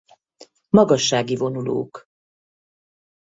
Magassági vonulók.